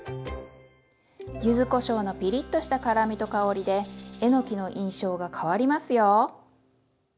ゆずこしょうのピリッとした辛みと香りでえのきの印象が変わりますよ。